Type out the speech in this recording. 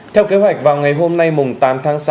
theo kế hoạch vào ngày hôm nay tám tháng sáu